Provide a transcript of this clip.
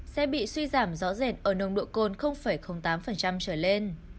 sẽ bị suy giảm rõ rệt ở nồng độ cồn tám trở lên